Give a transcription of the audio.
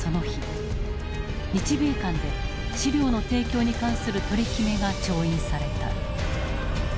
日米間で資料の提供に関する取り決めが調印された。